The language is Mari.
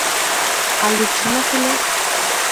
Але чынак ыле?